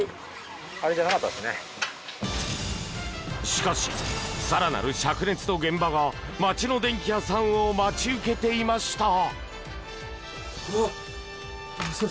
しかし、更なる灼熱の現場が町の電気屋さんを待ち受けていました。